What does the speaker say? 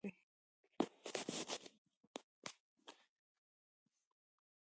مک ارتر نه شوای کولای چې د حرکت مخه ډپ کړي.